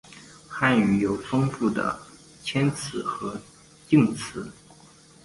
汉语有丰富的谦辞和敬辞。